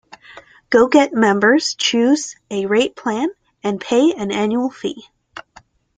GoGet members choose a rate plan and pay an annual fee.